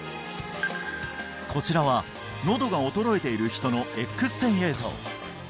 こちらはのどが衰えている人のＸ線映像